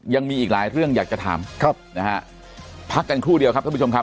ยังมีอีกหลายเรื่องอยากจะถามครับนะฮะพักกันครู่เดียวครับท่านผู้ชมครับ